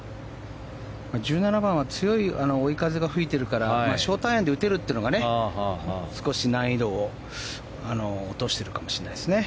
１７番は強い追い風が吹いてるからショートアイアンで打てるのが少し難易度を落としているかもしれないですね。